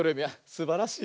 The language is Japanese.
すばらしい。